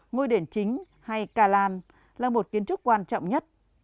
ngôi đền chính hay kalan là một kiến trúc quan trọng nhất